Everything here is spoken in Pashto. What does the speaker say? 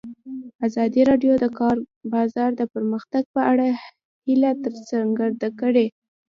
ازادي راډیو د د کار بازار د پرمختګ په اړه هیله څرګنده کړې.